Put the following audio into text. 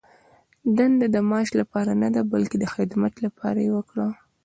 دنده د معاش لپاره نه، بلکې د خدمت لپاره یې وکړه.